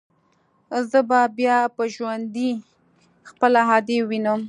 زه به بيا په ژوندوني خپله ادې ووينم.